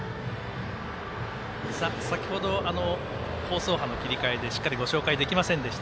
先ほど放送波の切り替えでしっかりご紹介できませんでした